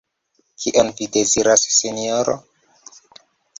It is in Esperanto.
Kion vi deziras, Sinjoro?